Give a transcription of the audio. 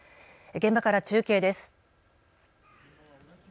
現場から中継です。